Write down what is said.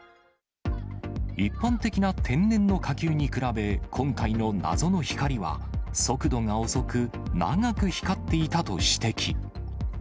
一般的な天然の火球に比べ、今回の謎の光は、速度が遅く、長く光っていたと指摘。